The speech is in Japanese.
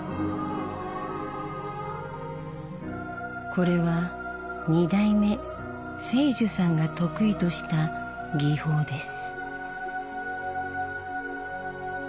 これは２代目青樹さんが得意とした技法です。